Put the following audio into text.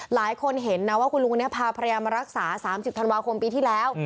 หลายคนเห็นนะว่าคุณลุงคนนี้พาภรรยามารักษา๓๐ธันวาคมปีที่แล้ว